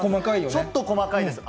ちょっと細かいです。